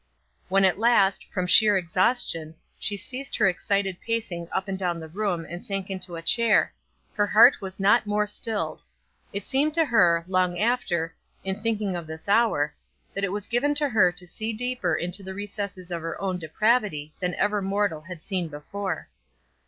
When at last, from sheer exhaustion, she ceased her excited pacing up and down the room and sank into a chair, her heart was not more stilled. It seemed to her, long after, in thinking of this hour, that it was given to her to see deeper into the recesses of her own depravity than ever mortal had seen before.